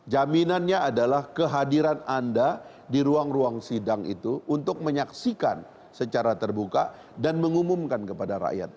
jaminannya adalah kehadiran anda di ruang ruang sidang itu untuk menyaksikan secara terbuka dan mengumumkan kepada rakyat